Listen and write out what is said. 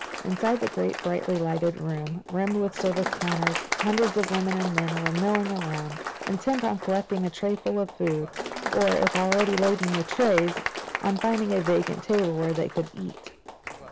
Inside the great brightly lighted room, rimmed with service counters, hundreds of men and women were milling around, intent on collecting a trayful of food or, if already laden with trays, on finding a vacant table where they could eat.